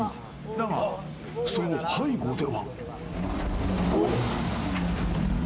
だが、その背後では。